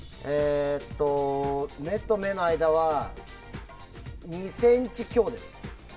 目と目の間は、２ｃｍ強です。